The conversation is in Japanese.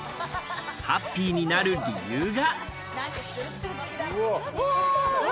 ハッピーになる理由が。